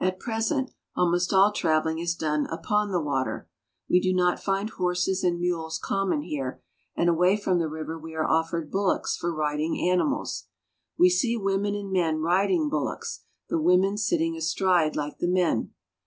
At present almost all traveling is done upon the water. We do not find horses and mules common here, and away from the river we are offered bullocks for riding animals. We see women and men riding bullocks, the women sitting astride like the men.